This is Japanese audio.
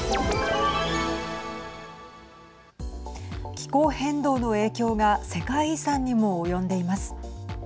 気候変動の影響が世界遺産にも及んでいます。